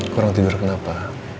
kau orang tidur kenapa